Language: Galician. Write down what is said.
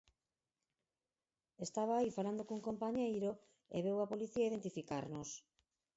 Estaba aí falando cun compañeiro e veu a policía a identificarnos.